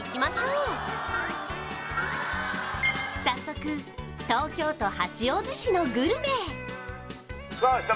早速東京都八王子市のグルメさあ